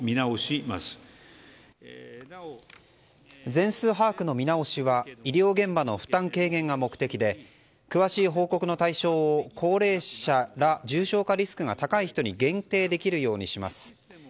全数把握の見直しは医療現場の負担軽減が目的で詳しい報告の対象を高齢者ら重症化リスクが高い人に限定できるようにします。